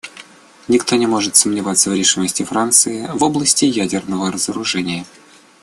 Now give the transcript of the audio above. Никто не может сомневаться в решимости Франции в области ядерного разоружения.